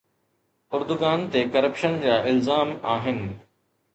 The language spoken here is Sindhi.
اردگان تي ڪرپشن جا الزام آهن.